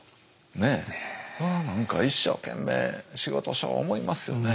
それは何か一生懸命仕事しよう思いますよね。